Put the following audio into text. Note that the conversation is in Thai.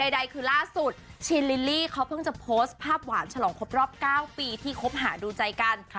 ใดคือล่าสุดชินลิลลี่เขาเพิ่งจะโพสต์ภาพหวานฉลองครบรอบ๙ปีที่คบหาดูใจกัน